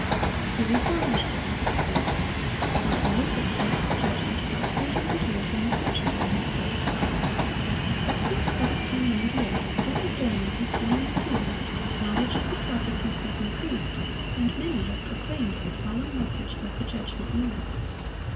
The Reformers did not proclaim it. Martin Luther placed the judgment about three hundred years in the future from his day. But since 1798 the book of Daniel has been unsealed, knowledge of the prophecies has increased, and many have proclaimed the solemn message of the judgment near.